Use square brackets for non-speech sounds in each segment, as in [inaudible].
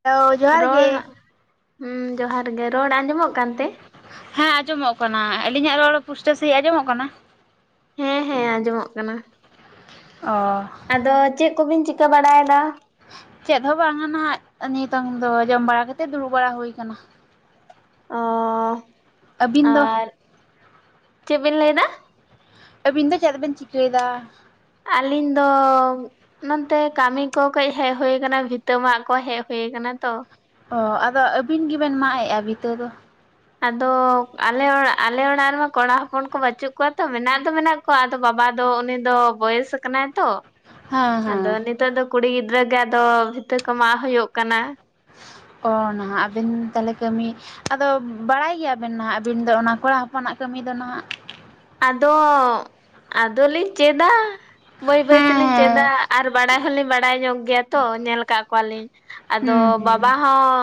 Hello ᱡᱚᱦᱟᱨ ᱨᱚᱲ, ᱜᱮ ᱦᱩᱸ ᱡᱚᱦᱟᱨ ᱜᱮ ᱨᱚᱲ ᱟᱸᱡᱚᱢᱚᱜ ᱠᱟᱱᱛᱮ? ᱦᱮᱸ ᱟᱸᱡᱚᱢᱚᱜ ᱠᱟᱱᱟ ᱾ ᱟᱞᱤᱧᱟᱜ ᱨᱚᱲ ᱯᱩᱥᱴᱟᱹᱣ ᱥᱟᱹᱦᱤᱡ ᱟᱸᱡᱚᱢᱚᱜ ᱠᱟᱱᱟ? ᱦᱮᱸ, ᱦᱮᱸ ᱟᱸᱡᱚᱢᱚᱜ ᱠᱟᱱᱟ᱾ ᱚᱸᱻ᱾ ᱟᱫᱚ ᱪᱮᱜ ᱠᱚᱵᱤᱱ ᱪᱤᱠᱟᱹ ᱵᱟᱲᱟᱭ ᱮᱫᱟ? ᱪᱮᱫ ᱦᱚᱸ ᱵᱟᱝᱟ ᱱᱚᱜᱼᱚᱭ ᱱᱤᱛᱚᱝ ᱫᱚ ᱡᱚᱢ ᱵᱟᱲᱟ ᱠᱟᱛᱮ ᱫᱩᱲᱩᱵ ᱵᱟᱲᱟ ᱦᱩᱭ ᱠᱟᱱᱟ᱾ ᱚ ᱟᱹᱵᱤᱱ ᱫᱚ ᱟᱨ ᱪᱮᱜ ᱵᱤᱱ ᱞᱟᱹᱭ ᱮᱫᱟ? ᱟᱹᱵᱤᱱ ᱫᱚ ᱪᱮᱫ ᱵᱤᱱ ᱪᱤᱠᱟᱹᱭ ᱮᱫᱟ? ᱟᱹᱞᱤᱧ ᱫᱚ ᱱᱚᱛᱮ ᱠᱟᱹᱢᱤ ᱠᱚ ᱠᱟᱹᱡ ᱦᱮᱡ ᱦᱩᱭ ᱠᱟᱱᱟ, ᱵᱷᱤᱛᱟᱹ ᱢᱟᱜ ᱠᱚ ᱦᱮᱡ ᱦᱩᱭ ᱠᱟᱱᱟ ᱛᱚ᱾ ᱚ ᱟᱫᱚ ᱟᱹᱵᱤᱱ ᱜᱮᱵᱮᱱ ᱢᱟᱜᱮᱜᱼᱟ ᱵᱷᱤᱛᱟᱹ ᱫᱚ? ᱟᱫᱚ ᱟᱞᱮ ᱚᱲᱟᱜ, ᱟᱞᱮ ᱚᱲᱟᱜ ᱨᱮᱢᱟ ᱠᱚᱲᱟ ᱦᱚᱯᱚᱱ ᱠᱚ ᱵᱟᱹᱪᱩᱜ ᱠᱚᱣᱟ ᱛᱚ, ᱢᱮᱱᱟᱜ ᱫᱚ ᱢᱮᱱᱟᱜ ᱟᱫᱚ ᱵᱟᱵᱟ ᱫᱚ ᱩᱱᱤ ᱫᱚ ᱵᱚᱭᱮᱥ ᱠᱟᱱᱟᱭ ᱛᱚ᱾ ᱦᱮᱸ ᱦᱮᱸ ᱟᱫᱚ ᱱᱤᱛᱚᱜ ᱫᱚ ᱠᱩᱲᱤ ᱜᱤᱫᱽᱨᱟᱹ ᱜᱮ ᱟᱫᱚ ᱵᱷᱤᱛᱟᱹ ᱠᱚ ᱢᱟᱜ ᱦᱩᱭᱳᱜ ᱠᱟᱱᱟ᱾ ᱚ ᱱᱟᱦᱟᱜ ᱟᱵᱮᱱ ᱛᱟᱦᱞᱮ ᱠᱟᱹᱢᱤ ᱟᱫᱚ ᱵᱟᱲᱟᱭ ᱜᱮᱭᱟᱵᱮᱱ ᱱᱟᱦᱟᱜ, ᱟᱹᱵᱤᱱ ᱫᱚ ᱚᱱᱟ ᱠᱚᱲᱟ ᱦᱚᱯᱚᱱᱟᱜ ᱠᱟᱹᱢᱤ ᱫᱚ ᱱᱟᱦᱟᱸᱜ? ᱟᱫᱚ ᱟᱫᱚᱞᱤᱧ ᱪᱮᱫᱼᱟ᱾ ᱵᱟᱹᱭ ᱵᱟᱹᱭ ᱦᱮᱸ ᱛᱮᱞᱤᱧ ᱪᱮᱫᱟ, ᱦᱮᱸ ᱟᱨ ᱵᱟᱲᱟᱭ ᱦᱚᱞᱤᱧ ᱵᱟᱲᱟᱭ ᱧᱚᱜ ᱜᱮᱭᱟ ᱛᱚ, ᱧᱮᱞ ᱠᱟᱜ ᱠᱚᱣᱟᱞᱤᱧ᱾ ᱟᱫᱚ ᱦᱩᱸ ᱦᱩᱸ ᱵᱟᱵᱟ ᱦᱚᱸ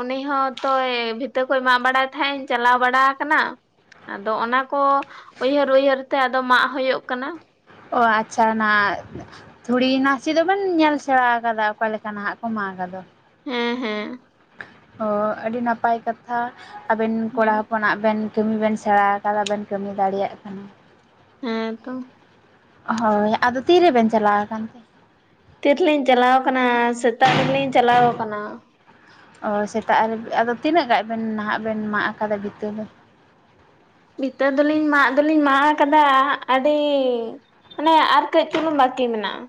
ᱩᱱᱤ ᱦᱚᱸᱼᱛᱚᱭ ᱵᱷᱤᱛᱟᱹ ᱠᱚᱭ ᱢᱟᱜ ᱵᱟᱲᱟᱭ ᱛᱟᱦᱮᱸᱜ, ᱤᱧ ᱪᱟᱞᱟᱣ ᱵᱟᱲᱟ ᱠᱟᱱᱟ᱾ ᱟᱫᱚ ᱚᱱᱟ ᱠᱚ ᱩᱭᱦᱟᱹᱨ-ᱩᱭᱦᱟᱹᱨ ᱛᱮ, ᱟᱫᱚ ᱢᱟᱜ ᱦᱩᱭᱳᱜ ᱠᱟᱱᱟ᱾ ᱚ ᱟᱪᱪᱷᱟ ᱚᱱᱟ ᱛᱷᱩᱲᱤ ᱱᱟᱥᱮ ᱫᱚ ᱵᱮᱱ ᱧᱮᱞ ᱥᱮᱬᱟ ᱟᱠᱟᱫᱟ᱾ ᱚᱠᱟ ᱞᱮᱠᱟ ᱱᱟᱦᱟᱜ ᱠᱚ ᱢᱟᱜᱟ ᱫᱚ? ᱦᱮᱸ, ᱦᱮᱸ᱾ ᱚ ᱟᱹᱰᱤ ᱱᱟᱯᱟᱭ ᱠᱟᱛᱷᱟ ᱟᱹᱵᱮᱱ ᱠᱚᱲᱟ ᱦᱮᱸ ᱦᱚᱯᱚᱱᱟᱜ ᱵᱮᱱ ᱠᱟᱹᱢᱤ ᱵᱮᱱ ᱥᱮᱬᱟ ᱟᱠᱟᱫᱟ ᱵᱮᱱ, ᱠᱟᱹᱢᱤ ᱫᱟᱲᱮᱭᱟᱜ ᱠᱟᱱᱟ᱾ ᱦᱮᱸ ᱛᱚ᱾ ᱦᱳᱭ, ᱟᱫᱚ ᱛᱤᱨᱮᱵᱮᱱ ᱪᱟᱞᱟᱣ ᱠᱟᱱ? ᱛᱤ ᱨᱮᱞᱤᱧ ᱪᱟᱞᱟᱣ ᱟᱠᱟᱱᱟ, ᱥᱮᱛᱟᱜ ᱨᱮᱞᱤᱧ ᱪᱟᱞᱟᱣ ᱟᱠᱟᱱᱟ᱾ ᱚ ᱥᱮᱛᱟᱜ ᱨᱮ, ᱟᱫᱚ ᱛᱤᱱᱟᱹᱜ ᱜᱟᱡᱽ ᱵᱮᱱ ᱱᱟᱦᱟᱜ ᱵᱮᱱ ᱢᱟᱜ ᱟᱠᱟᱫᱟ ᱵᱷᱤᱛᱟᱹ ᱫᱚ? ᱵᱷᱤᱛᱟᱹ ᱫᱚᱞᱤᱧ ᱢᱟᱜ ᱫᱚᱞᱤᱧ ᱢᱟᱜ ᱟᱠᱟᱫᱟ, ᱟᱹᱰᱤ ᱢᱟᱱᱮ ᱟᱨ ᱠᱟᱹᱡᱽ ᱪᱩᱞᱩᱝ ᱵᱟᱠᱤ ᱢᱮᱱᱟᱜᱼᱟ᱾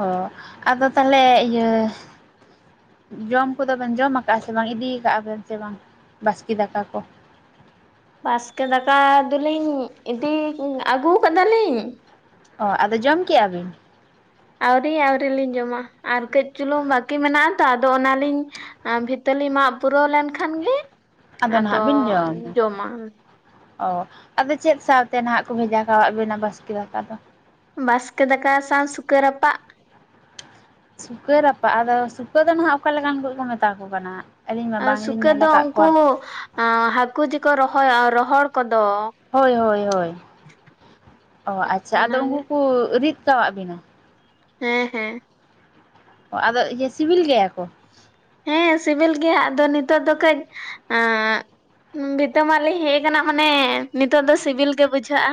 ᱚ ᱟᱫᱚ ᱛᱟᱦᱞᱮ ᱤᱭᱟᱹ ᱡᱚᱢ ᱠᱚᱫᱚ ᱵᱮᱱ ᱡᱚᱢ ᱟᱠᱟᱜᱼᱟ ᱥᱮ ᱵᱟᱝ ᱤᱫᱤᱠᱟᱜᱼᱟ? ᱵᱮᱱ ᱥᱮ ᱵᱟᱝ ᱵᱟᱥᱠᱮ ᱫᱟᱠᱟ ᱠᱚ? ᱵᱟᱥᱠᱮ ᱫᱟᱠᱟ ᱫᱚᱞᱤᱧ ᱤᱫᱤ ᱟᱹᱜᱩ ᱟᱠᱟᱫᱟᱞᱤᱧ᱾ ᱚ ᱟᱫᱚ ᱡᱚᱢ ᱠᱮᱜᱼᱟ, ᱵᱤᱱ? ᱟᱹᱣᱨᱤ ᱟᱹᱣᱨᱤ ᱞᱤᱧ ᱡᱚᱢᱟ ᱟᱨ ᱠᱟᱹᱡ ᱪᱩᱞᱩᱝ ᱵᱟᱹᱠᱤ ᱢᱮᱱᱟᱜ ᱛᱚ ᱟᱫᱚ ᱚᱱᱟᱞᱤᱧ ᱵᱷᱤᱛᱟᱞᱤ ᱢᱟᱜ ᱯᱩᱨᱟᱹᱣ ᱞᱮᱱᱠᱷᱟᱱ ᱜᱮ, ᱟᱫᱚ ᱡᱚᱢᱟ᱾ ᱚ ᱟᱫᱚ ᱪᱮᱫ ᱥᱟᱶᱛᱮ ᱱᱟᱦᱟᱜ ᱠᱚ ᱵᱷᱮᱡᱟ ᱠᱟᱜ ᱵᱮᱱᱟ ᱵᱟᱥᱠᱮ ᱫᱟᱠᱟ ᱫᱚ? ᱵᱟᱥᱠᱮ ᱫᱟᱠᱟ ᱥᱟᱶ ᱥᱩᱠᱟᱹ ᱨᱟᱯᱟᱜ᱾ ᱥᱩᱠᱟᱹ ᱨᱟᱯᱟᱜ, ᱟᱫᱚ ᱥᱩᱠᱟᱹ ᱫᱚ ᱱᱟᱦᱟᱜ ᱚᱠᱟ ᱞᱮᱠᱟᱱ ᱠᱚ ᱠᱚ ᱢᱮᱛᱟ ᱠᱚ ᱠᱟᱱᱟ? ᱟᱹᱞᱤᱧ ᱢᱟ ᱵᱟᱝᱞᱤᱧ ᱥᱩᱠᱮ ᱧᱮᱞ ᱫᱚ ᱟᱠᱟᱫ ᱠᱚᱣᱟ ᱩᱱᱠᱩ ᱦᱟᱹᱠᱩ ᱡᱮᱠᱚ ᱨᱚᱦᱚ ᱨᱚᱦᱚᱲ ᱠᱚᱫᱚ ᱦᱳᱭ ᱦᱳᱭ ᱦᱳᱭ, ᱚ ᱟᱪᱪᱷᱟ ᱟᱫᱚ ᱚᱱᱟᱜᱮ ᱩᱱᱠᱩ ᱠᱚ ᱨᱤᱫ ᱠᱟᱫ ᱵᱤᱱᱟ? ᱦᱮᱸ, ᱦᱮᱸ᱾ ᱚ ᱟᱫᱚ ᱤᱭᱟᱹ ᱥᱤᱵᱤᱞ ᱜᱮᱭᱟ ᱠᱚ? ᱦᱮᱸ ᱥᱤᱵᱤᱞ ᱜᱮᱭᱟ, ᱟᱫᱚ ᱱᱤᱛᱚᱜ ᱫᱚ ᱠᱟᱹᱡᱽ ᱵᱤᱛᱟᱹ ᱢᱟᱜᱞᱤ ᱦᱮᱡ ᱟᱠᱟᱱᱟ, ᱢᱟᱱᱮ ᱱᱤᱛᱚᱜ ᱫᱚ ᱥᱤᱵᱤᱞ ᱜᱮ ᱵᱩᱡᱷᱟᱹᱜᱼᱟ᱾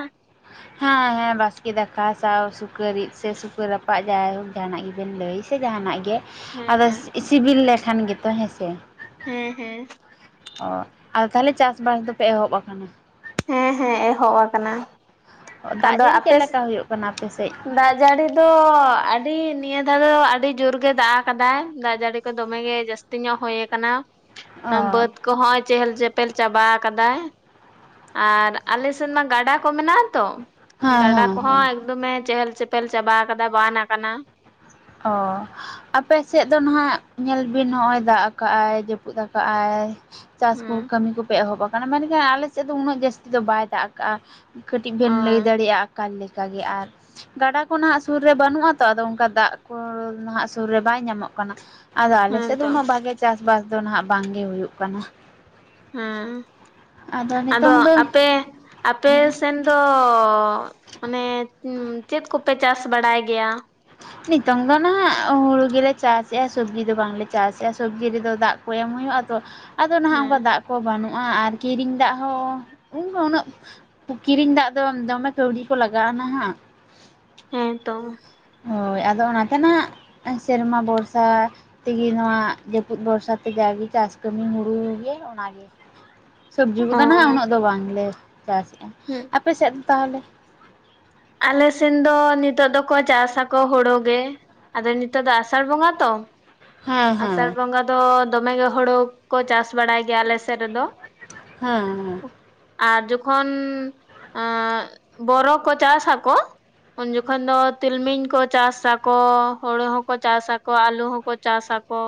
ᱦᱮᱸ ᱦᱮᱸ ᱵᱟᱥᱠᱮ ᱫᱟᱠᱟ ᱥᱟᱶ ᱥᱩᱠᱟᱹᱨᱤᱫ ᱥᱮ ᱥᱩᱠᱟᱹᱨ ᱨᱟᱯᱟᱜ ᱡᱟᱭᱦᱳᱠ ᱡᱟᱦᱟᱱᱟᱜ ᱜᱮᱵᱮᱱ ᱞᱟᱹᱭ᱾ ᱥᱮ ᱡᱟᱦᱟᱱᱟᱜ ᱜᱮ ᱦᱮᱸ ᱟᱫᱚ ᱦᱮᱸ ᱥᱤᱵᱤᱞ ᱞᱮᱠᱷᱟᱱ ᱜᱮᱛᱚ ᱦᱮᱸᱥᱮ ᱦᱮᱸ ᱦᱮᱸ ᱚ ᱟᱨ ᱛᱟᱦᱚᱞᱮ ᱪᱟᱥᱵᱟᱥ ᱫᱚᱯᱮ ᱮᱦᱚᱯ ᱠᱟᱱᱟ ᱦᱮᱸ ᱦᱮᱸ ᱮᱦᱚᱵ ᱟᱠᱟᱱᱟ ᱫᱟᱜ ᱟᱫᱚ ᱡᱟᱹᱲᱤ ᱪᱮᱫ ᱟᱯᱮ ᱞᱮᱠᱟ ᱦᱩᱭᱩᱜ ᱠᱟᱱᱟ ᱟᱯᱮ ᱥᱮᱫ? ᱫᱟᱜ ᱡᱟᱹᱲᱤ ᱫᱚ ᱟᱹᱰᱤ ᱱᱤᱭᱟᱹ ᱫᱷᱟᱣ ᱫᱚ ᱟᱹᱰᱤ ᱡᱳᱨ ᱜᱮ ᱫᱟᱜ ᱟᱠᱟᱫᱟᱭ ᱫᱟᱜ ᱡᱟᱹᱲᱤ ᱠᱚ ᱫᱚᱢᱮᱜ ᱜᱮ ᱡᱟᱹᱥᱛᱤ ᱛᱤᱧᱚᱜ ᱦᱳᱭ ᱠᱟᱱᱟ ᱚ ᱦᱮᱸ ᱵᱟᱹᱫᱽ ᱠᱚᱦᱚᱸᱚᱭ ᱪᱮᱦᱮᱞ ᱪᱮᱯᱮᱞ ᱪᱟᱵᱟ ᱠᱟᱫᱟᱭ ᱟᱨ ᱟᱞᱮᱥᱮᱫ ᱢᱟ ᱜᱟᱰᱟ ᱠᱚ ᱢᱮᱱᱟᱜ ᱟ ᱛᱚ ᱦᱮᱸ ᱜᱟᱰᱟ ᱦᱮᱸ ᱠᱚᱦᱚᱸ [unintelligible] ᱪᱮᱦᱮᱞ ᱪᱮᱯᱮᱞ ᱪᱟᱵᱟ ᱠᱟᱫᱟ ᱵᱟᱱ ᱟᱠᱟᱱᱟ ᱚ ᱟᱯᱮ ᱥᱮᱫ ᱫᱚ ᱱᱟᱦᱟᱜ ᱧᱮᱞ ᱵᱤᱱ ᱱᱚᱜᱼᱚᱭ ᱫᱟᱜ ᱠᱟᱜᱼᱟᱭ ᱡᱟᱹᱯᱩᱫ ᱟᱠᱟᱜ ᱟᱭ ᱪᱟᱥ ᱠᱚ ᱦᱮᱸ ᱠᱟᱹᱢᱤ ᱠᱚᱯᱮ ᱮᱦᱚᱵ ᱟᱠᱟᱱᱟ [unintelligible] ᱟᱞᱮ ᱥᱮᱫ ᱫᱚ ᱩᱱᱟᱹᱜ ᱡᱟᱹᱥᱛᱤ ᱫᱚ ᱵᱟᱭ ᱫᱟᱜ ᱠᱟᱜᱼᱟ ᱠᱟᱹᱴᱤᱡ ᱚ ᱵᱮᱱ ᱞᱟᱹᱭ ᱫᱟᱲᱮᱭᱟᱜᱼᱟ ᱚᱠᱟ ᱞᱮᱠᱟᱜᱮ ᱟᱨ ᱜᱟᱰᱟ ᱠᱚ ᱱᱟᱜ ᱥᱩᱨ ᱨᱮ ᱵᱟᱹᱱᱩᱜ ᱟᱛᱚ ᱟᱫᱚ ᱚᱱᱠᱟ ᱫᱟᱜ [unintelligible] ᱱᱟᱦᱟᱜ ᱥᱩᱨ ᱨᱮ ᱵᱟᱭ ᱧᱟᱢᱚᱜ ᱠᱟᱱᱟ ᱟᱫᱚ ᱟᱞᱮᱥᱮᱫ ᱫᱚ ᱦᱮᱸᱛᱚ ᱩᱱᱟᱹᱜ ᱵᱷᱟᱜᱮ ᱪᱟᱥᱵᱟᱥ ᱫᱚ ᱱᱟᱦᱟᱜ ᱵᱟᱝ ᱜᱮ ᱦᱩᱭᱩᱜ ᱠᱟᱱᱟ ᱦᱮᱸ ᱟᱫᱚ ᱱᱤᱛᱚᱝ ᱫᱚ ᱟᱯᱮ ᱟᱯᱮ ᱦᱮᱸ ᱥᱮᱱ ᱚ ᱟᱱᱮ ᱪᱮᱫ ᱠᱚᱯᱮ ᱪᱟᱥ ᱵᱟᱲᱟᱭ ᱜᱮᱭᱟ? ᱱᱤᱛᱚᱝ ᱫᱚ ᱱᱟᱦᱟᱜ ᱦᱩᱲᱩ ᱜᱮᱞᱮ ᱪᱟᱥᱮᱫᱼᱟ ᱥᱚᱵᱽᱡᱤ ᱫᱚ ᱵᱟᱝᱞᱮ ᱪᱟᱥᱮᱫᱼᱟ ᱥᱚᱵᱽᱡᱤ ᱨᱮᱫᱚ ᱫᱟᱜ ᱠᱚ ᱮᱢ ᱦᱩᱭᱩᱜᱼᱟ ᱛᱚ ᱟᱫᱚ ᱱᱟᱦᱟᱜ ᱦᱮᱸ ᱚᱱᱠᱟ ᱫᱟᱜ ᱠᱚ ᱵᱟᱹᱱᱩᱜᱼᱟ ᱟᱨ ᱠᱤᱨᱤᱧ ᱫᱟᱜ ᱦᱚᱸ, ᱩᱱ ᱩᱱᱟᱹᱜ ᱠᱤᱨᱤᱧ ᱫᱟᱜ ᱫᱚ ᱫᱚᱢᱮ ᱠᱟᱹᱣᱰᱤ ᱠᱚ ᱞᱟᱜᱟᱜᱼᱟ ᱱᱟᱦᱟᱜ ᱦᱮᱸ ᱛᱚ ᱦᱳᱭ ᱟᱫᱚ ᱚᱱᱟᱛᱮ ᱱᱟᱜ ᱥᱮᱨᱢᱟ ᱵᱚᱨᱥᱟ ᱛᱮᱜᱮ ᱱᱚᱣᱟ ᱡᱟᱹᱯᱩᱫ ᱵᱷᱚᱨᱥᱟ ᱛᱮ ᱡᱟᱜᱮ ᱪᱟᱥ ᱠᱟᱹᱢᱤ ᱦᱩᱲᱩ ᱜᱮ ᱚᱱᱟᱜᱮ ᱥᱚᱵᱽᱡᱤ ᱠᱚᱫᱚ ᱚ ᱱᱟᱦᱟᱸᱜ ᱩᱱᱟᱹᱜ ᱫᱚ ᱵᱟᱝᱞᱮ ᱪᱟᱥᱮᱫᱼᱟ [unintelligible] ᱟᱯᱮᱥᱮᱫ ᱛᱟᱦᱚᱞᱮ? ᱟᱞᱮᱥᱮᱱ ᱫᱚ ᱱᱤᱛᱚᱜ ᱫᱚᱠᱚ ᱪᱟᱥᱟᱠᱚ ᱦᱩᱲᱳ ᱜᱮ ᱟᱫᱚ ᱱᱤᱛᱚᱜ ᱫᱚ ᱟᱥᱟᱲ ᱵᱚᱸᱜᱟ ᱛᱚ ᱦᱮᱸ ᱟᱥᱟᱲ ᱦᱮᱸ ᱵᱚᱸᱜᱟ ᱫᱚ ᱫᱚᱢᱮ ᱜᱮ ᱦᱳᱲᱳ ᱠᱚ ᱪᱟᱥ ᱵᱟᱲᱟᱭ ᱜᱮᱭᱟ ᱟᱞᱮ ᱥᱮᱫ ᱨᱮᱫᱚ ᱦᱮᱸ [unintelligible] ᱟᱨ ᱡᱚᱠᱷᱚᱱ ᱵᱚᱨᱚ ᱠᱚ ᱪᱟᱥ ᱟᱠᱚ ᱩᱱ ᱡᱚᱠᱷᱚᱱ ᱫᱚ ᱛᱤᱞᱢᱤᱧ ᱠᱚ ᱪᱟᱥᱟᱠᱚ ᱦᱳᱲᱩ ᱦᱚᱸᱠᱚ ᱪᱟᱥᱟᱠᱚ ᱟᱞᱩ ᱦᱚᱸ ᱠᱚ ᱪᱟᱥ ᱟᱠᱚ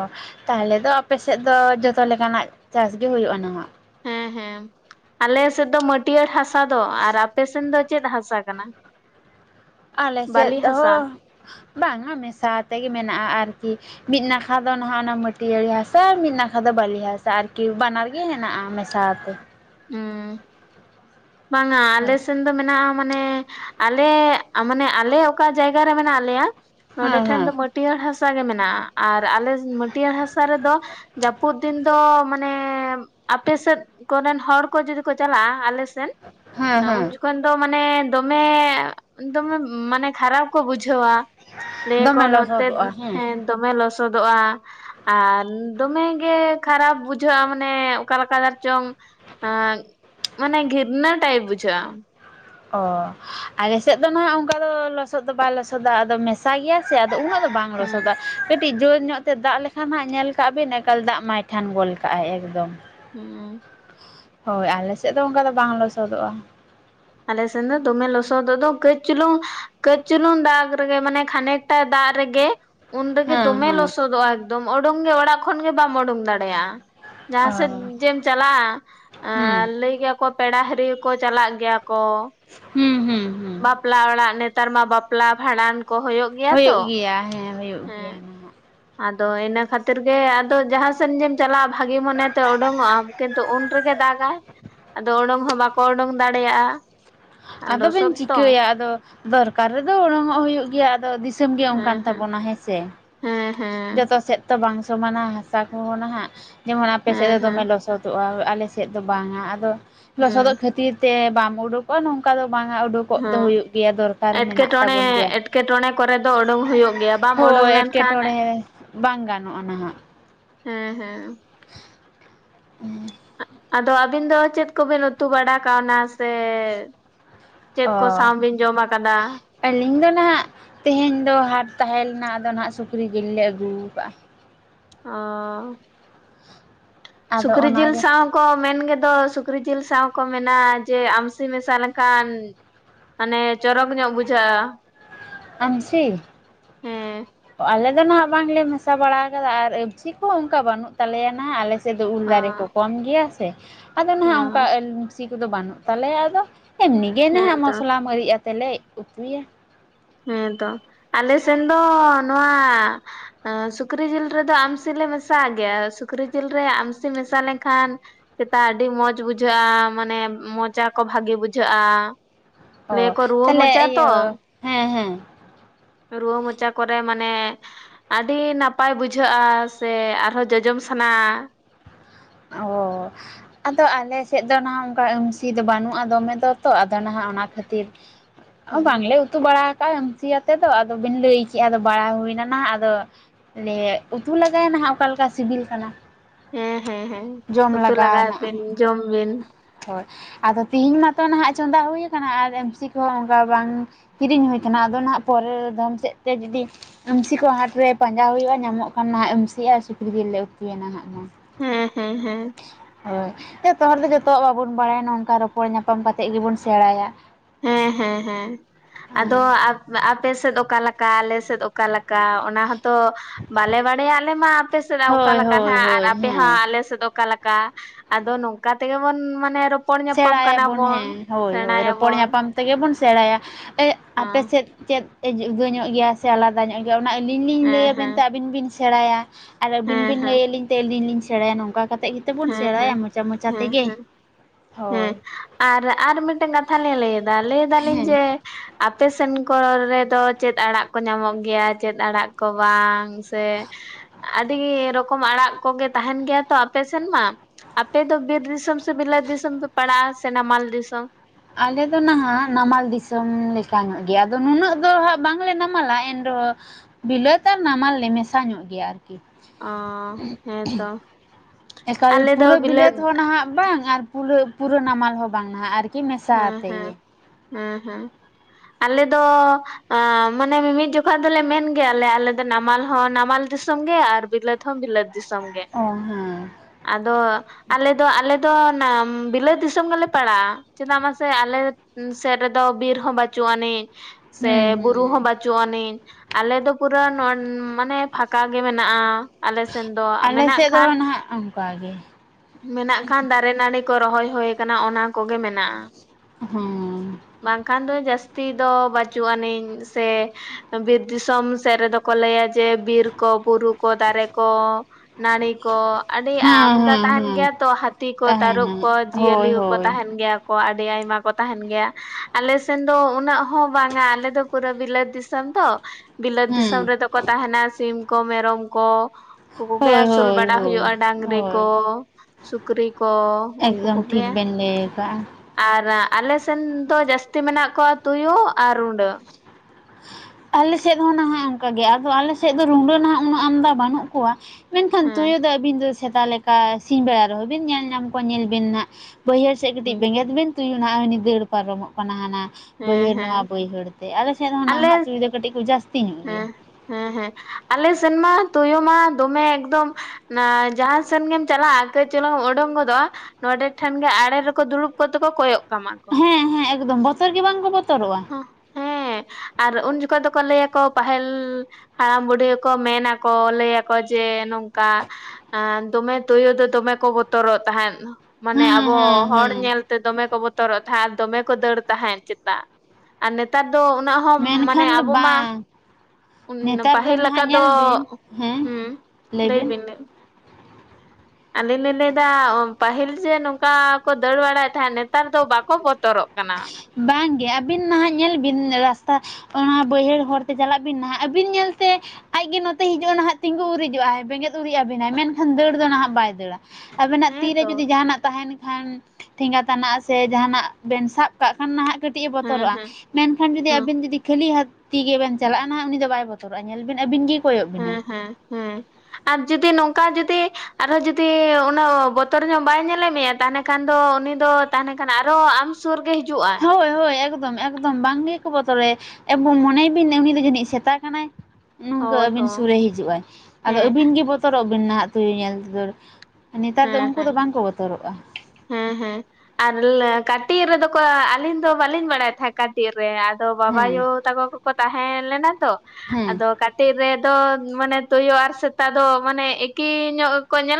ᱚ ᱛᱟᱦᱚᱞᱮ ᱫᱚ ᱟᱯᱮ ᱥᱮᱫ ᱫᱚ ᱡᱚᱛᱚ ᱞᱮᱠᱟᱱᱟᱜ ᱪᱟᱥ ᱜᱮ ᱦᱩᱭᱩᱜᱼᱟ ᱱᱟᱦᱟᱜ ᱦᱮᱸ ᱦᱮᱸ ᱟᱞᱮ ᱥᱮᱫ ᱫᱚ ᱢᱟᱹᱴᱤᱭᱟ. ᱲ ᱦᱟᱥᱟ ᱫᱚ ᱟᱨ ᱟᱯᱮᱥᱮᱫ ᱫᱚ ᱪᱮᱫ ᱦᱟᱥᱟ ᱠᱟᱱᱟ? [unintelligible] ᱟᱞᱮᱥᱮᱫ ᱵᱟᱹᱞᱤ ᱦᱟᱥᱟ ᱦᱚᱸ ᱵᱟᱝᱟ ᱢᱮᱥᱟ ᱟᱛᱮᱜᱮ ᱢᱮᱱᱟᱜᱼᱟ ᱟᱨᱠᱤ ᱢᱤᱫ ᱱᱟᱠᱷᱟ ᱫᱚ ᱱᱟᱦᱟᱸᱜ ᱚᱱᱟ ᱢᱟᱹᱴᱤᱭᱟᱹᱲᱤ ᱦᱟᱥᱟ ᱢᱤᱫ ᱱᱟᱠᱷᱟ ᱫᱚ ᱵᱟᱹᱞᱤ ᱦᱟᱥᱟ ᱟᱨᱠᱤ ᱵᱟᱱᱟᱨ ᱜᱮ ᱦᱮᱱᱟᱜᱼᱟ, ᱢᱮ ᱥᱟᱣᱛᱮ ᱦᱩᱸ, ᱵᱟᱝᱟ ᱟᱞᱮ ᱦᱳᱭ ᱥᱮᱱ ᱫᱚ ᱢᱮᱱᱟᱜᱼᱟ ᱢᱟᱱᱮ ᱟᱞᱮ ᱢᱟᱱᱮ ᱟᱞᱮ ᱚᱠᱟ ᱡᱟᱭᱜᱟ ᱨᱮ ᱢᱮᱱᱟᱜ ᱞᱮᱭᱟ ᱱᱚᱰᱮ ᱦᱮᱸ ᱴᱷᱮᱱ ᱦᱮᱸ ᱫᱚ ᱢᱟᱹᱴᱭᱟᱹᱲ ᱦᱟᱥᱟ ᱜᱮ ᱢᱮᱱᱟᱜᱼᱟ, ᱟᱨ ᱟᱞᱮ ᱢᱟᱹᱴᱭᱟᱹᱲ ᱦᱟᱥᱟ ᱨᱮᱫᱚ ᱡᱟᱹᱯᱩᱫ ᱫᱤᱱ ᱫᱚ ᱢᱟᱱᱮ ᱮᱸ ᱟᱯᱮ ᱥᱮᱫ ᱠᱚᱨᱮᱱ ᱦᱚᱲ ᱠᱚ ᱡᱩᱫᱤ ᱠᱚ ᱪᱟᱞᱟᱜᱼᱟ ᱟᱞᱮᱥᱮᱫ, ᱦᱮᱸ ᱩᱱ ᱡᱚᱠᱷᱚᱱ ᱢᱟᱱᱮ ᱫᱚᱢᱮ ᱫᱚᱢᱮ ᱢᱟᱱᱮ ᱠᱷᱟᱨᱟᱯ ᱠᱚ ᱵᱩ ᱡᱷᱟᱹᱣᱟ ᱞᱮᱭᱟ ᱠᱚ ᱫᱚᱢᱮ ᱱᱚᱛᱮ ᱞᱚᱥᱚᱫᱚᱜᱼᱟ ᱦᱮᱸ ᱫᱚᱢᱮ ᱞᱚᱥᱚᱫᱚᱜᱼᱟ᱾ ᱟᱨ ᱫᱚᱢᱮᱜᱮ ᱠᱷᱟᱨᱟᱯ ᱵᱩᱡᱷᱟᱹᱜᱼᱟ ᱢᱟᱱᱮ ᱚᱠᱟᱞᱮᱠᱟ ᱠᱟᱨ ᱪᱚᱝ ᱟᱸ ᱢᱟᱱᱮ ᱜᱤᱨᱱᱟ ᱴᱟᱭᱯ ᱵᱩᱡᱷᱟᱹᱜᱼᱟ᱾ ᱚ᱾ ᱟᱞᱮ ᱥᱮᱫ ᱫᱚ ᱱᱟᱦᱟᱸᱜ ᱚᱱᱠᱟ ᱫᱚ ᱞᱚᱥᱚᱫ ᱫᱚ ᱵᱟᱭ ᱞᱚᱥᱚᱫᱟ ᱟᱫᱚ ᱢᱮᱥᱟ ᱜᱮᱭᱟ ᱥᱮ ᱟᱫᱚ ᱩᱱᱟᱹᱜ ᱫᱚ ᱵᱟᱝ ᱦᱩᱸ ᱞᱚᱥᱚᱫᱟᱜᱼᱟ᱾ ᱠᱟᱹᱴᱤᱡ ᱡᱳᱨ ᱧᱚᱜ ᱛᱮ ᱫᱟᱜ ᱞᱮᱠᱷᱟᱱ ᱦᱟᱸᱜ ᱧᱮᱞ ᱠᱟᱜ ᱵᱤᱱ ᱮᱠᱟᱞ ᱫᱟᱜ ᱢᱟᱭ ᱴᱷᱟᱱ ᱜᱚᱫ ᱠᱟᱜᱼᱟᱭ ᱮᱠᱫᱚᱢ᱾ ᱦᱩᱸ᱾ ᱦᱳᱭ ᱟᱞᱮᱥᱮᱫ ᱫᱚ ᱚᱱᱠᱟ ᱫᱚ ᱵᱟᱝ ᱞᱚᱥᱚᱫᱚᱜᱼᱟ᱾ ᱟᱞᱮ ᱥᱮᱱ ᱫᱚ ᱫᱚᱢᱮ ᱞᱚᱥᱚᱫᱚᱜ ᱫᱚ ᱠᱟᱹᱪᱩᱞᱩᱝ ᱠᱟᱹᱪᱩᱞᱩᱝ ᱫᱟᱜᱽ ᱨᱮᱜᱮ ᱢᱟᱱᱮ ᱜᱷᱟᱱᱮᱜ ᱴᱟᱭ ᱫᱟᱜ ᱨᱮᱜᱮ ᱩᱱ ᱨᱮᱜᱮ ᱦᱮᱸ ᱫᱚᱢᱮ ᱦᱮᱸ ᱞᱚᱥᱚᱫᱚᱜᱼᱟ, ᱮᱠᱫᱚᱢ ᱩᱰᱩᱝ ᱜᱮ ᱚᱲᱟᱜ ᱠᱷᱚᱱᱜ ᱵᱟᱢ ᱩᱰᱩᱝ ᱫᱟᱲᱮᱭᱟᱜᱼᱟ᱾ ᱚ ᱡᱟᱦᱟᱸ ᱥᱮᱫ ᱡᱮᱢ ᱪᱟᱞᱟᱜᱼᱟ ᱦᱩᱸ ᱟᱸ ᱞᱟᱹᱭ ᱜᱮᱭᱟ ᱠᱚ ᱯᱮᱲᱟ ᱦᱤᱨᱤ ᱠᱚ ᱪᱟᱞᱟᱜ ᱜᱮᱭᱟ᱾ ᱠᱚ ᱦᱩᱸ ᱦᱩᱸ᱾ ᱦᱩᱸ ᱵᱟᱯᱞᱟ ᱚᱲᱟᱜ ᱱᱮᱛᱟᱨ ᱢᱟ ᱵᱟᱯᱞᱟ, ᱵᱷᱟᱸᱰᱟᱱ ᱠᱚ ᱦᱩᱭᱩᱜ ᱦᱩᱭᱩᱜ ᱜᱮᱭᱟ ᱦᱮᱸ ᱦᱩᱭᱩᱜ ᱜᱮᱭᱟ ᱱᱟᱦᱟᱸᱜ᱾ ᱟᱫᱚ ᱤᱱᱟᱹ ᱠᱷᱟᱛᱤᱨ ᱜᱮ ᱟᱫᱚ ᱡᱟᱦᱟᱸᱥᱮᱱ ᱜᱮᱢ ᱪᱟᱞᱟᱜᱼᱟ, ᱵᱷᱟᱜᱤ ᱢᱚᱱᱮᱛᱮ ᱚᱰᱳᱝᱚᱜ ᱟᱢ ᱠᱤᱱᱛᱩ ᱩᱱ ᱨᱮᱜᱮ ᱫᱟᱜᱟᱭ, ᱟᱫᱚ ᱩᱰᱩᱝ ᱦᱚᱸ ᱵᱟᱠᱚ ᱩᱰᱩᱝ ᱫᱟᱲᱮᱭᱟᱜᱼᱟ᱾ ᱟᱨ ᱟᱫᱚ ᱵᱮᱱ ᱞᱚᱥᱚᱫ ᱛᱚ ᱪᱤᱠᱟᱹᱭᱟ ᱟᱫᱚ ᱫᱚᱨᱠᱟᱨ ᱨᱮᱫᱚ ᱩᱰᱩᱝᱚᱜ ᱦᱩᱭᱩᱜ ᱜᱮᱭᱟ ᱟᱫᱚ᱾ ᱫᱤ ᱥᱚᱢ ᱜᱮ ᱚᱱᱠᱟᱱ ᱦᱮᱸ ᱦᱮᱸ ᱛᱟᱵᱚᱱᱟ ᱦᱮᱸᱥᱮ? ᱦᱮᱸ ᱦᱮᱸ᱾ ᱚᱠᱟ ᱥᱮᱫ ᱛᱚ ᱵᱟᱝ ᱥᱚᱢᱟᱱᱟ ᱦᱟᱥᱟ ᱠᱚᱦᱚᱸ ᱱᱟᱦᱟᱸᱜ ᱡᱮᱢᱚᱱ ᱟᱯᱮ ᱦᱮᱸ ᱥᱮᱫ ᱫᱚᱢᱮ ᱦᱮᱸ ᱞᱚᱥᱚᱫ ᱫᱚᱜᱼᱟ ᱟᱞᱮᱥᱮᱫ ᱫᱚ ᱵᱟᱝᱟ ᱟᱫᱚ ᱦᱩᱸ ᱞᱚᱥᱚᱫᱚᱜ ᱠᱷᱟᱹᱛᱤᱨ ᱛᱮ ᱵᱟᱢ ᱩᱰᱩᱠ ᱠᱚ ᱱᱚᱝᱠᱟ ᱫᱚ ᱵᱟᱝᱟ ᱩᱰᱩᱠ ᱠᱚᱜ ᱫᱚ ᱦᱚᱸ ᱦᱩᱭᱩᱜ ᱜᱮᱭᱟ ᱫᱚᱨᱠᱟᱨ ᱢᱮᱱᱟᱜ ᱮᱴᱠᱮᱴᱚᱬᱮ ᱛᱟᱵᱚᱱ ᱜᱮᱭᱟ, ᱮᱴᱠᱮᱴᱚᱬᱮ ᱠᱚᱨᱮ ᱫᱚ ᱳᱰᱳᱝ ᱦᱩᱭᱩᱜ ᱜᱮᱭᱟ ᱵᱟᱢ ᱳᱰᱳᱝ ᱦᱳᱭ ᱞᱮᱱᱠᱷᱟᱱ ᱠᱮᱴᱚᱬᱮ ᱵᱟᱝ ᱜᱟᱱᱚᱜᱼᱟ ᱱᱟᱦᱟᱸᱜ᱾ ᱦᱮᱸ ᱦᱮᱸ᱾ ᱦᱩᱸ᱾ ᱟᱫᱚ ᱟᱹᱵᱤᱱ ᱫᱚ ᱪᱮᱫ ᱠᱚᱵᱤᱱ ᱩᱛᱩ ᱵᱟᱲᱟ ᱠᱟᱣᱱᱟ? ᱥᱮ ᱪᱮᱫ ᱚ ᱠᱚ ᱥᱟᱶ ᱵᱤᱱ ᱡᱚᱢ ᱠᱟᱫᱟ? ᱟᱹᱞᱤᱧ ᱫᱚ ᱱᱟᱦᱟᱸᱜ ᱛᱮᱦᱮᱧ ᱫᱚ ᱦᱟᱴ ᱛᱟᱦᱮᱸ ᱞᱮᱱᱟ ᱟᱫᱚ ᱱᱟᱦᱟᱸᱜ ᱥᱩᱠᱨᱤ ᱡᱤᱞ ᱞᱮ ᱟᱹᱜᱩ ᱠᱟᱜᱼᱟ᱾ ᱚᱻ ᱟᱫᱚ ᱥᱩᱠᱨᱤ ᱡᱤᱞ ᱚᱱᱟᱜᱮ ᱥᱟᱶ ᱠᱚ ᱢᱮᱱ ᱜᱮᱫᱚ ᱥᱩᱠᱨᱤ ᱡᱤᱞ ᱥᱟᱶ ᱠᱚ ᱢᱮᱱᱟ ᱡᱮ ᱟᱢᱥᱤ ᱢᱮᱥᱟ ᱞᱮᱱᱠᱷᱟᱱ ᱦᱟᱱᱮ ᱪᱚᱨᱚᱠ ᱧᱚᱜ ᱵᱩᱡᱷᱟᱹᱜᱼᱟ? ᱟᱢᱥᱤ? ᱦᱮᱸ ᱟᱞᱮ ᱫᱚ ᱱᱟᱦᱟᱸᱜ ᱵᱟᱝᱞᱮ ᱢᱮᱥᱟ ᱵᱟᱲᱟ ᱠᱟᱫᱟ ᱟᱨ ᱟᱢᱥᱤ ᱠᱚᱦᱚᱸ ᱚᱝᱠᱟ ᱵᱟᱹᱱᱩᱜ ᱛᱟᱞᱮᱭᱟ ᱱᱟᱦᱟᱸᱜ, ᱟᱞᱮ ᱥᱮᱫ ᱫᱚ ᱩᱞ ᱚ ᱫᱟᱨᱮ ᱠᱚ ᱠᱚᱢ ᱜᱮᱭᱟ ᱥᱮ ᱟᱫᱚ ᱱᱟᱦᱟᱸᱜ ᱚᱱᱠᱟ ᱚ ᱟᱹᱞ ᱟᱢᱥᱤ ᱠᱚᱫᱚ ᱵᱟᱹᱱᱩᱜ ᱛᱟᱞᱮᱭᱟ, ᱟᱫᱚ ᱮᱢᱱᱤᱜ ᱦᱮᱸ ᱱᱟᱦᱟᱸᱜ ᱛᱚ ᱢᱚᱥᱞᱟ ᱢᱟᱹᱨᱤᱡ ᱟᱛᱮ ᱞᱮ ᱩᱛᱩᱭᱟ᱾ ᱦᱮᱸᱛᱚ ᱟᱞᱮ ᱥᱮᱱ ᱫᱚ ᱱᱚᱣᱟ ᱥᱩᱠᱨᱤ ᱡᱤᱞ ᱨᱮᱫᱚ ᱟᱢᱥᱤ ᱞᱮ ᱢᱮᱥᱟᱜ ᱜᱮᱭᱟ, ᱥᱩᱠᱨᱤ ᱡᱤᱞ ᱨᱮ ᱟᱢᱥᱤ ᱢᱮᱥᱟ ᱞᱮᱱᱠᱷᱟᱱ ᱥᱮᱛᱟᱜ ᱟᱹᱰᱤ ᱢᱚᱸᱡᱽ ᱵᱩᱡᱷᱟᱹᱜᱼᱟ ᱢᱟᱱᱮ ᱢᱚᱪᱟ ᱠᱚ ᱵᱷᱟᱜᱮ ᱵᱩᱡᱷᱟᱹᱜᱼᱟ᱾ ᱚ ᱞᱟᱹᱟᱠᱚ ᱨᱩᱣᱟᱹ ᱛᱟᱦᱞᱮ ᱢᱚᱪᱟ ᱛᱚ᱾ ᱤᱭᱟᱹ ᱦᱮᱸ ᱦᱮᱸ ᱨᱩᱣᱟᱹ ᱢᱩᱪᱟ ᱠᱚᱨᱮ ᱢᱟᱱᱮ ᱟᱹᱰᱤ ᱱᱟᱯᱟᱭ ᱵᱩᱡᱷᱟᱹᱜᱼᱟ ᱥᱮ ᱟᱨᱦᱚᱸ ᱡᱚᱡᱚᱢ ᱥᱟᱱᱟᱼᱟ᱾ ᱚ ᱟᱫᱚ ᱟᱞᱮ ᱥᱮᱫ ᱫᱚ [unintelligible] ᱚᱱᱠᱟ ᱟᱢᱥᱤ ᱫᱚ ᱵᱟᱹᱱᱩᱜᱼᱟ ᱫᱚᱢᱮ ᱫᱚᱛᱚ ᱟᱫᱚ ᱱᱟᱦᱟᱸᱜ ᱚᱱᱟ ᱠᱷᱟᱹᱛᱤᱨ ᱵᱟᱝᱞᱮ ᱩᱛᱩ ᱵᱟᱲᱟ ᱠᱟᱜᱼᱟ ᱟᱢᱥᱤᱭᱟᱛᱮ ᱫᱚ ᱟᱫᱚ ᱵᱤᱱ ᱞᱟᱹᱭ ᱠᱮᱜᱼᱟ ᱟᱫᱚ ᱵᱟᱲᱟ ᱦᱩᱭᱱᱟ ᱱᱟᱜ ᱟᱫᱚ ᱞᱮ ᱩᱛᱩ ᱞᱮᱟᱜᱟᱭᱟ ᱱᱟᱦᱟᱸᱜ ᱚᱠᱟᱞᱮᱠᱟ ᱥᱤᱵᱤᱞ ᱠᱟᱱᱟ᱾ ᱦᱮᱸ ᱦᱮᱸ ᱦᱮᱸ ᱡᱚᱢ ᱩᱛᱩ ᱞᱟᱜᱟᱣ ᱞᱟᱜᱟᱣᱮᱭ ᱱᱟᱜ ᱵᱤᱱ ᱡᱚᱢ ᱵᱤᱱ᱾ ᱦᱳᱭ ᱟᱫᱚ ᱛᱤᱦᱤᱧ ᱢᱟᱛᱚ ᱱᱟᱦᱟᱸᱜ ᱪᱚᱸᱫᱟ ᱦᱩᱭᱟᱠᱟᱱᱟ ᱟᱨ ᱮᱢᱥᱤ ᱠᱚᱦᱚᱸ ᱚᱱᱠᱟ ᱵᱟᱝ ᱠᱤᱨᱤᱧ ᱦᱩᱭ ᱠᱟᱱᱟ ᱟᱫᱚ ᱱᱟᱜ ᱯᱚᱨᱮ ᱫᱚᱢ ᱥᱮᱫ ᱛᱮ ᱡᱩᱫᱤ ᱮᱢᱥᱤ ᱠᱚ ᱦᱟᱴᱨᱮ ᱨᱮ ᱯᱟᱸᱡᱟ ᱦᱩᱭᱩᱜᱼᱟ ᱧᱟᱢᱚᱜ ᱠᱷᱟᱱ ᱮᱢᱥᱤᱜᱼᱟ ᱥᱩᱠᱨᱤ ᱡᱤᱞ ᱞᱮ ᱩᱛᱮ ᱱᱟ ᱦᱟᱸᱜ ᱦᱚᱸ ᱦᱮᱸ ᱦᱮᱸ ᱦᱮᱸ ᱦᱳᱭ ᱡᱚᱛᱚ ᱦᱚᱲ ᱫᱚ ᱡᱚᱛᱚᱣᱟᱜ ᱵᱟᱵᱚᱱ ᱵᱟᱲᱟᱭᱟ ᱱᱚ ᱱᱚᱝᱠᱟ ᱨᱚᱯᱚᱲ ᱧᱟᱯᱟᱢ ᱠᱟᱛᱮᱜ ᱜᱮᱵᱚᱱ ᱥᱮᱬᱟᱭᱟ᱾ ᱦᱮᱸ ᱦᱮᱸ ᱦᱮᱸ ᱟᱫᱚ ᱟᱯᱮ ᱥᱮᱫ ᱚᱠᱟᱞᱮᱠᱟ ᱟᱞᱮ ᱥᱮᱫ ᱚᱠᱟᱞᱮᱠᱟ ᱚᱱᱟ ᱦᱚᱸᱛᱚ ᱵᱟᱞᱮ ᱵᱟᱲᱟᱭᱟ ᱟᱞᱮ ᱢᱟ ᱟᱯᱮ ᱥᱮᱫ ᱚᱠᱟ ᱦᱳᱭ ᱞᱮᱠᱟ ᱦᱳᱭ ᱱᱟᱦᱟᱸᱜ ᱟᱨ ᱦᱳᱭ ᱟᱯᱮ ᱦᱚᱸ ᱦᱮᱸ ᱟᱞᱮ ᱥᱮᱫ ᱚᱠᱟ ᱞᱮᱠᱟ ᱟᱫᱚ ᱱᱚᱝᱠᱟ ᱛᱮᱜᱮ ᱵᱚᱱ ᱢᱟᱱᱮ ᱨᱚᱯ ᱥᱮᱲᱟᱭᱟᱵᱚᱱ ᱦᱮᱸ ᱦᱳᱭ ᱦᱳᱭ ᱨᱳᱯᱚᱲ ᱧᱟ ᱥᱮᱬᱟᱭᱟᱵᱚᱱ ᱧᱟᱯᱟᱢ ᱛᱮᱜᱮ ᱵᱚᱱ ᱥᱮᱬᱟᱭᱟ ᱮ ᱟᱯᱮ ᱦᱮᱸ ᱥᱮᱫ ᱪᱮᱫ ᱮ ᱡᱩᱫᱟᱹ ᱧᱚᱜ ᱜᱮᱭᱟ᱾ ᱥᱮ ᱟᱞᱟᱫᱟ ᱧᱚᱜ ᱜᱮᱭᱟ ᱚᱱᱟ ᱟᱹᱞᱤᱧ ᱞᱤᱧ ᱦᱮᱸ ᱞᱟᱹᱭᱟᱵᱮᱱᱛᱮ ᱦᱮᱸ ᱟᱹᱵᱤᱱ ᱵᱤᱱ ᱥᱮᱬᱟᱭᱟ ᱟᱨ ᱟᱹᱵᱤᱱ ᱦᱮᱸ ᱵᱤᱱ ᱦᱮᱸ ᱞᱟᱹᱭᱟᱞᱤᱧ ᱛᱮ ᱟᱹᱞᱤᱧ ᱞᱤᱧ ᱥᱮᱬᱟᱭᱟ ᱱᱚᱝᱠᱟ ᱠᱟᱛᱮᱫ ᱜᱮᱛᱵᱚᱱ ᱦᱮᱸ ᱥᱮᱬᱟᱭᱟ ᱦᱮᱸ ᱢᱚᱪᱟ ᱢᱚᱪᱟ ᱦᱮᱸ ᱛᱮᱜᱮ ᱦᱮᱸ ᱦᱮᱸ ᱦᱳᱭ ᱟᱨ ᱟᱨ ᱢᱤᱫᱴᱮᱱ ᱠᱟᱛᱷᱟ ᱞᱤᱧ ᱞᱟᱹᱭᱫᱟ ᱞᱟᱹᱭ ᱫᱟᱞᱤᱧ ᱦᱮᱸ ᱡᱮ ᱟᱯᱮ ᱥᱮᱱ ᱠᱚ ᱨᱮᱫᱚ ᱪᱮᱫ ᱟᱲᱟᱜ ᱠᱚ ᱧᱟᱢᱚᱜ ᱜᱮᱭᱟ ᱪᱮᱫ ᱟᱲᱟᱜ ᱠᱚ ᱵᱟᱝ ᱥᱮ? ᱟᱹᱰᱤ ᱜᱮ ᱨᱚᱠᱚᱢ ᱟᱲᱟᱜ ᱠᱚᱜᱮ ᱛᱟᱦᱮᱱ ᱜᱮᱭᱟ ᱛᱚ ᱟᱯᱮ ᱥᱮᱱ ᱢᱟ ᱟᱯᱮ ᱫᱚ ᱵᱤᱨ ᱫᱤᱥᱚᱢ ᱥᱮ ᱵᱤᱞᱟᱹ ᱫᱤᱥᱚᱢ ᱯᱮ ᱯᱟᱲᱟᱜᱼᱟ ᱥᱮ ᱱᱟᱢᱟᱞ ᱫᱤᱥᱚᱢ? ᱟᱞᱮ ᱫᱚ ᱱᱟᱦᱟᱸᱜ ᱱᱟᱢᱟᱞ ᱫᱤᱥᱚᱢ ᱞᱮᱠᱟ ᱧᱚᱜ ᱜᱮᱭᱟ ᱟᱫᱚ ᱱᱩᱱᱟᱹᱜ ᱫᱚ ᱦᱟᱸᱜ ᱵᱟᱝᱞᱮ ᱱᱟᱢᱞᱟ ᱮᱱᱨᱮᱦᱚᱸ᱾ ᱵᱤᱞᱟᱹᱛ ᱟᱨ ᱱᱟᱢᱟᱞ ᱞᱮ ᱢᱮᱥᱟ ᱧᱚᱜ ᱜᱮᱭᱟ ᱟᱨᱠᱤ᱾ ᱚ ᱦᱮᱸᱛᱚ ᱮᱠᱟᱞ ᱟᱞᱮ ᱫᱚ ᱯᱩᱨᱟᱹ ᱵᱤᱞᱟᱹᱛ ᱦᱚᱸ ᱱᱟᱦᱟᱸᱜ ᱵᱟᱝ ᱟᱨ ᱯᱟᱹ ᱯᱩᱨᱟᱹ ᱱᱟᱢᱟᱞ ᱦᱚᱸ ᱵᱟᱝ ᱱᱟᱦᱟᱸᱜ ᱟᱨ ᱠᱤ ᱢᱮᱥᱟ ᱦᱮᱸ ᱟᱛᱮ ᱦᱮᱸ ᱜᱮ᱾ ᱦᱮᱸ ᱦᱮᱸ ᱟᱞᱮ ᱫᱚ ᱟᱸ ᱢᱟᱱᱮ ᱢᱤᱢᱤᱫ ᱡᱚᱠᱷᱟ ᱫᱚᱞᱮ ᱢᱮᱱ ᱜᱮᱭᱟᱞᱮ ᱟᱞᱮ ᱫᱚ ᱱᱟᱢᱟᱞ ᱦᱚᱸ ᱱᱟᱢᱟᱞ ᱫᱤᱥᱚᱢ ᱜᱮ ᱟᱨ ᱵᱤᱞᱟᱹᱛ ᱛᱚ ᱵᱤᱞᱟᱹᱛ ᱫᱤᱥᱚᱢᱚᱢ ᱜᱮ᱾ ᱚ ᱦᱮᱸ, ᱟᱫᱚ ᱟᱞᱮ ᱫᱚ ᱟᱞᱮ ᱫᱚ ᱚᱱᱟ ᱵᱤᱞᱟᱹᱛ ᱫᱤᱥᱚᱢ ᱜᱮᱞᱮ ᱯᱟᱲᱟᱜᱼᱟ᱾ ᱪᱮᱫᱟᱜ ᱢᱟᱥᱮ ᱟᱞᱮ ᱥᱮᱫ ᱨᱮᱫᱚ ᱵᱤᱨ ᱦᱚᱸ ᱵᱟᱪᱩᱜ ᱟᱹᱱᱤᱡ ᱥᱮ ᱦᱩᱸ ᱵᱩᱨᱩ ᱦᱚᱸ ᱦᱩᱸ ᱵᱟᱪ ᱚᱪᱩᱜ ᱟᱹᱱᱤᱡ ᱟᱞᱮ ᱫᱚ ᱯᱩᱨᱟᱹ ᱢᱟᱱᱮ ᱯᱷᱟᱠᱟ ᱜᱮ ᱢᱮᱱᱟᱜᱼᱟ᱾ ᱟᱞᱮ ᱥᱮᱱ ᱫᱚ ᱟᱞᱮ ᱢᱮᱱᱟᱜ ᱥᱮᱫ ᱫᱚ ᱠᱷᱟᱱ ᱱᱟᱦᱟᱜ ᱚᱱᱠᱟ ᱜᱮ [inaudible] ᱢᱮᱱᱟᱜ ᱠᱷᱟᱱ ᱫᱟᱨ ᱫᱟᱨᱮ ᱱᱟᱹᱲᱤ ᱠᱚ ᱨᱚᱦᱚᱭ ᱦᱩᱭ ᱟᱠᱟᱱᱟ ᱚᱱᱟ ᱠᱚᱜᱮ ᱢᱮᱱᱟᱜᱼᱟ᱾ ᱦᱚᱸ ᱵᱟᱝᱠᱷᱟᱱ ᱫᱚ ᱡᱟᱹᱥᱛᱤ ᱫᱚ ᱵᱟᱹᱪᱩᱜ ᱟᱹᱱᱤᱡ ᱥᱮ, ᱵᱤᱨ ᱫᱤᱥᱚᱢ ᱥᱮᱫ ᱨᱮᱫᱚ ᱠᱚ ᱞᱟᱹᱭᱟ ᱡᱮ ᱵᱤᱨ ᱠᱚ ᱵᱩᱨᱩ ᱠᱚ ᱫᱟᱨᱮ ᱠᱚ, ᱱᱟᱹᱲᱤ ᱠᱚ ᱟᱹᱰᱤ ᱦᱮᱸ ᱟᱢᱫᱟ ᱦᱮᱸ ᱛᱟᱦᱮᱱ ᱦᱮᱸ ᱜᱮᱭᱟ ᱛᱚ ᱦᱟᱹᱛᱤ ᱠᱚ ᱛᱟᱹᱨᱩᱵ ᱛᱟᱦᱮᱱᱟ ᱠᱚ ᱦᱳᱭ ᱡᱤᱭᱟᱹᱞᱤ ᱠᱚᱠᱚ ᱦᱳᱭ ᱛᱟᱦᱮᱱ ᱜᱮᱭᱟ᱾ ᱠᱚ ᱟᱹᱰᱤ ᱟᱭᱢᱟ ᱠᱚ ᱛᱟᱦᱮᱸᱱ ᱜᱮᱭᱟ᱾ ᱟᱞᱮ ᱥᱮᱱ ᱫᱚ ᱩᱱᱟᱹᱜ ᱦᱚᱸ ᱵᱟᱝ-ᱟ ᱟᱞᱮ ᱫᱚ ᱯᱩᱨᱟᱹ ᱵᱤᱞᱟᱹᱛ ᱫᱤᱥᱚᱢ ᱛᱚ ᱵᱤᱞᱟᱹᱛ ᱦᱮᱸ ᱫᱤᱥᱚᱢ ᱨᱮᱫᱚ ᱠᱚ ᱛᱟᱦᱮᱸᱱᱟ ᱥᱤᱢ ᱠᱚ ᱢᱮᱨᱚᱢ ᱠᱚ ᱠᱩ ᱠᱚᱜᱮ ᱦᱳᱭ ᱟᱹᱥᱩᱞ ᱦᱳᱭ ᱵᱟᱲᱟ ᱦᱳᱭ ᱦᱩᱭᱩᱜ-ᱟ ᱰᱟᱝᱨᱤ ᱦᱳᱭ ᱠᱚ ᱥᱩᱠᱨᱤ ᱠᱚ, ᱩᱱᱠᱩ ᱮᱠᱫᱚᱢ ᱠᱚᱜᱮ ᱴᱷᱤᱠ ᱵᱮᱱ ᱞᱟᱹᱭ ᱟᱠᱟᱜ-ᱟ᱾ ᱟᱨ ᱟᱞᱮ ᱥᱮᱱ ᱫᱚ ᱡᱟᱹᱥᱛᱤ ᱢᱮᱱᱟᱜ ᱠᱚᱣᱟ ᱛᱩᱭᱩ ᱟᱨ ᱨᱩᱸᱰᱟᱹ᱾ ᱟᱞᱮ ᱥᱮᱫ ᱦᱚᱸ ᱱᱟᱦᱟᱜ ᱚᱱᱠᱟ ᱜᱮ ᱟᱫᱚ ᱟᱞᱮ ᱥᱮᱫ ᱫᱚ ᱨᱩᱰᱟᱹ ᱱᱦᱟᱜ ᱩᱱᱟᱹᱜ ᱟᱢᱫᱟ ᱵᱟᱹᱱᱩᱜ ᱠᱚᱣᱟ᱾ ᱢᱮᱱᱠᱷᱟᱱ ᱦᱮᱸ ᱛᱩᱭᱩ ᱫᱚ ᱟᱹᱵᱤᱱ ᱫᱚ ᱥᱮᱛᱟ ᱞᱮᱠᱟ ᱥᱤᱧ ᱵᱮᱲᱟ ᱨᱮᱦᱚᱸ ᱵᱤᱱ ᱧᱮᱞ ᱧᱟᱢ ᱠᱚᱣᱟ ᱧᱮᱞ ᱵᱤᱱ ᱦᱟᱜ ᱵᱟᱹᱭᱦᱟᱹᱲ ᱪᱮᱫ ᱠᱟᱹᱴᱤᱡ ᱦᱮᱸ ᱵᱮᱸᱜᱮᱫ ᱵᱮᱱ ᱛᱩᱭᱩ ᱱᱦᱟᱜ ᱩᱱᱤ ᱫᱟᱹᱲ ᱯᱟᱨᱚᱢᱚᱜ ᱠᱟᱱᱟ ᱦᱟᱱᱟ ᱦᱮᱸ ᱵᱟᱹᱭᱦᱟᱹᱲ ᱱᱚᱣᱟ ᱦᱮᱸ ᱵᱟᱹᱭᱦᱟᱹᱲ ᱛᱮ ᱟᱫᱚ ᱟᱞᱮ ᱱᱟᱦᱟᱜ ᱛᱤ ᱨᱮᱫᱚ ᱠᱟᱹᱴᱤᱡ ᱠᱚ ᱡᱟᱥ ᱦᱮᱸ ᱦᱮᱸ ᱦᱮᱸ ᱟᱞᱮ ᱥᱮᱱ ᱢᱟ ᱛᱳᱭᱳ ᱢᱟ ᱫᱚᱢᱮ ᱮᱠᱫᱚᱢ ᱱᱟ ᱡᱟᱦᱟᱸ ᱥᱮᱱ ᱜᱮᱢ ᱪᱟᱞᱟᱜ-ᱟ ᱠᱟᱹᱡ ᱪᱚᱞᱚᱝ ᱳᱰᱳᱝ ᱜᱚᱫ-ᱟ ᱱᱚᱸᱰᱮ ᱴᱷᱮᱱᱜᱮ ᱟᱲᱮ ᱨᱮᱠᱚ ᱫᱩᱲᱩᱵ ᱠᱚᱜ ᱛᱮᱠᱚ ᱠᱚᱭᱚᱜ ᱠᱟᱢᱟ᱾ ᱠᱚ ᱦᱮᱸ ᱦᱮᱸ ᱮᱠᱫᱚᱢ ᱵᱚᱛᱚᱨ ᱜᱮ ᱵᱟᱝᱠᱚ ᱵᱚᱛᱚᱨᱚᱜ-ᱟ᱾ ᱦᱚᱸ ᱦᱮᱸ ᱟᱨ ᱩᱱ ᱡᱚᱠᱷᱚᱡ ᱫᱚᱠᱚ ᱞᱟᱹᱭᱟ ᱠᱚ ᱯᱟᱦᱮᱞ ᱦᱟᱲᱟᱢ ᱵᱩᱰᱦᱷᱤ ᱠᱚ ᱠᱚ ᱢᱮᱱᱟᱠᱚ ᱞᱟᱹᱭ ᱟᱠᱚ ᱡᱮ ᱱᱚᱝᱠᱟ ᱮ ᱫᱚᱢᱮ ᱛᱩᱭᱩ ᱫᱚ ᱫᱚᱢᱮ ᱠᱚ ᱵᱚᱛᱚᱨᱚᱜ ᱛᱟᱦᱮᱸᱫ, ᱢᱟᱱᱮ ᱦᱮᱸ ᱟᱵᱚ ᱦᱮᱸ ᱦᱚᱲ ᱦᱮᱸ ᱧᱮᱞᱛᱮ ᱫᱚᱢᱮ ᱠᱚ ᱵᱚᱛᱚᱨᱚᱜ ᱛᱟᱦᱮᱸᱫ ᱟᱨ ᱫᱚᱢᱮ ᱠᱚ ᱫᱟᱹᱲ ᱛᱟᱦᱮᱸᱫ ᱪᱮᱛᱟ᱾ ᱟᱨ ᱱᱮᱛᱟᱨ ᱫᱚ ᱩᱱᱟᱹᱜ ᱦᱚᱸ ᱢᱟᱱᱮ ᱢᱮᱱᱠᱷᱟᱱ ᱫᱚ ᱟᱵᱚ ᱢᱟ ᱵᱟᱝ ᱩᱸ ᱱᱮᱛᱟᱨ ᱯᱟᱹᱦᱤᱞ ᱞᱮᱠᱟ ᱱᱟᱦᱟᱜ ᱫᱚ ᱧᱮᱞ ᱵᱤᱱ ᱦᱮᱸ ᱦᱩᱸ ᱞᱟᱹᱭ ᱵᱤᱱ ᱞᱟᱹᱭ ᱟᱹᱞᱤᱧ ᱞᱤᱧ ᱞᱟᱹᱭ ᱫᱟ ᱯᱟᱹᱦᱤᱞ ᱡᱮ ᱱᱚᱝᱠᱟ ᱠᱚ ᱫᱟᱹᱲ ᱵᱟᱲᱟᱭᱮᱫ ᱛᱟᱦᱮᱸᱫ ᱱᱮᱛᱟᱨ ᱫᱚ ᱵᱟᱠᱚ ᱵᱚᱛᱚᱨᱚᱜ ᱠᱟᱱᱟ᱾ ᱵᱟᱝᱜᱮ ᱟᱹᱵᱤᱱ ᱱᱟᱦᱟᱜ ᱧᱮᱞ ᱵᱤᱱ ᱨᱟᱥᱛᱟ ᱚᱱᱟ ᱵᱟᱹᱭᱦᱟᱹᱲ ᱦᱚᱨᱛᱮ ᱪᱟᱞᱟᱜ ᱵᱤᱱ ᱱᱟᱦᱟᱜ ᱟᱹᱵᱤᱱ ᱧᱮᱞᱛᱮ ᱟᱡᱜᱮ ᱱᱚᱛᱮ ᱦᱤᱡᱩᱜ-ᱟ ᱱᱟᱦᱟᱜ ᱛᱤᱸᱜᱩ ᱩᱨᱤᱡᱚᱜ ᱟᱭ ᱵᱮᱸᱜᱮᱫ ᱩᱨᱤᱡ ᱟᱵᱤᱱᱟᱭ ᱢᱮᱱᱠᱷᱟᱱ ᱫᱟᱹᱲ ᱫᱚ ᱱᱟᱦᱟᱜ ᱵᱟᱭ ᱫᱟᱹᱲᱟ᱾ ᱟᱵᱮᱱᱟᱜ ᱦᱮᱸ ᱛᱤᱨᱮ ᱛᱚ ᱡᱩᱫᱤ ᱡᱟᱦᱟᱱᱟᱜ ᱛᱟᱦᱮᱱ ᱠᱷᱟᱱ ᱴᱷᱮᱸᱜᱟ ᱛᱟᱱᱟᱜ ᱥᱮ ᱡᱟᱦᱟᱱᱟᱜ ᱵᱮᱱ ᱥᱟᱵ ᱠᱟᱜ ᱠᱷᱟᱱ ᱱᱟᱦᱟᱜ ᱠᱟᱹᱴᱤᱡ ᱮ ᱦᱮᱸ ᱵᱚᱛᱚᱨᱚᱜ-ᱟ ᱦᱮᱸ ᱢᱮᱱᱠᱷᱟᱱ ᱡᱩᱫᱤ ᱦᱮᱸ ᱟᱹᱵᱤᱱ ᱡᱩᱫᱤ ᱠᱷᱟᱹᱞᱤ ᱦᱟᱛ ᱛᱤᱮᱵᱮᱱ ᱪᱟᱞᱟᱜ-ᱟ ᱱᱦᱟᱜ ᱩᱱᱤ ᱫᱚ ᱵᱟᱭ ᱵᱚᱛᱚᱨᱚᱜ-ᱟ ᱧᱮᱞᱵᱤᱱ ᱟᱹᱵᱤᱱ ᱜᱮ ᱠᱚᱭᱚᱜ ᱵᱤᱱᱟ ᱦᱮᱸ ᱦᱮᱸ ᱦᱮᱸ ᱟᱨ ᱡᱩᱫᱤ ᱱᱚᱝᱠᱟ ᱡᱩᱫᱤ ᱟᱨᱦᱚᱸ ᱡᱩᱫᱤ ᱩᱱᱟᱹᱜ ᱵᱚᱛᱚᱨ ᱧᱚᱜ ᱵᱟᱭ ᱧᱮᱞᱮ ᱢᱮᱭᱟ ᱛᱟᱦᱚᱞᱮ ᱠᱷᱟᱱ ᱫᱚ ᱩᱱᱤ ᱫᱚ ᱛᱟᱦᱱᱮ ᱠᱷᱟᱱ ᱟᱨᱚ ᱟᱢ ᱥᱩᱨ ᱜᱮᱭ ᱦᱤᱡᱩᱜ ᱟᱭ, ᱦᱳᱭ ᱦᱳᱭ ᱮᱠᱫᱚᱢ ᱮᱠᱫᱚᱢ ᱵᱟᱝ ᱜᱮᱠᱚ ᱵᱚᱛᱚᱨᱮ ᱮᱵᱚ ᱢᱚᱱᱮᱭ ᱵᱤᱱ ᱩᱱᱤ ᱫᱚ ᱡᱟᱹᱱᱤᱡ ᱥᱮᱛᱟ ᱠᱟᱱᱟᱭ ᱱᱚᱝᱠᱟᱹ ᱦᱳᱭ ᱟᱹᱵᱤᱱ ᱦᱳᱭ ᱥᱩᱨᱮ ᱦᱤᱡᱩᱜ ᱟᱭ ᱟᱫᱚ ᱦᱮᱸ ᱟᱹᱵᱤᱱ ᱜᱮ ᱵᱚᱛᱚᱨᱚᱜ ᱵᱤᱱ ᱱᱟᱦᱟᱜ ᱛᱩᱭᱩ ᱧᱮᱞ ᱛᱮᱫᱚ ᱱᱮᱛᱟᱨ ᱫᱚ ᱦᱮᱸ ᱩᱝᱠᱩ ᱫᱚ ᱦᱮᱸ ᱵᱟᱝᱠᱚ ᱵᱚᱛᱚᱨᱚᱜ-ᱟ᱾ ᱦᱮᱸ ᱦᱮᱸ ᱟᱨ ᱠᱟᱹᱴᱤᱡ ᱨᱮᱫᱚ ᱠᱚ ᱟᱹᱞᱤᱧ ᱫᱚ ᱵᱟᱹᱞᱤᱧ ᱵᱟᱲᱟᱭᱮᱫ ᱛᱟᱦᱮᱸᱫ ᱠᱟᱹᱴᱤᱡ ᱨᱮ ᱟᱫᱚ ᱵᱟᱵᱟ ᱦᱮᱸ ᱭᱳ ᱛᱟᱠᱚ ᱠᱚᱠᱚ ᱛᱟᱦᱮᱸ ᱞᱮᱱᱟ ᱛᱚ ᱦᱮᱸ ᱟᱫᱚ ᱠᱟ ᱴᱤᱜ ᱨᱮ ᱫᱚ ᱢᱟᱱᱮ ᱛᱳᱭᱳ ᱟᱨ ᱥᱮᱛᱟ ᱫᱚ ᱢᱟᱱᱮ ᱮᱠᱤ ᱧᱚᱜ ᱜᱮ ᱠᱚ ᱧᱮᱞᱚᱜ